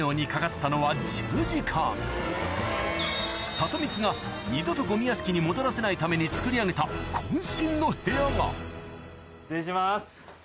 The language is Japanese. サトミツが二度とゴミ屋敷に戻らせないためにつくり上げた渾身の部屋が失礼します。